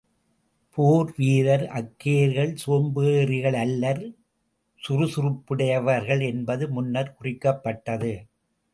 போர் வீரர் அக்கேயர்கள் சோம்பேறிகளல்லர் சுறு சுறுப்புடையவர்கள் என்பது முன்னர்க் குறிக்கப்பட்டது.